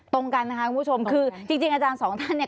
ตรงกันนะคะคุณผู้ชมคือจริงอาจารย์สองท่านเนี่ย